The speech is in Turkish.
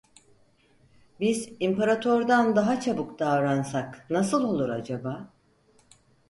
Biz İmparator'dan daha çabuk davransak nasıl olur acaba?